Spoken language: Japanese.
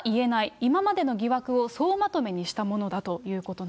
今までの疑惑を総まとめにしたものだということなんです。